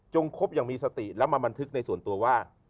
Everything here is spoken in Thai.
คบอย่างมีสติแล้วมาบันทึกในส่วนตัวว่า